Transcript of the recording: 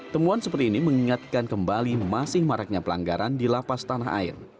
temuan seperti ini mengingatkan kembali masih maraknya pelanggaran di lapas tanah air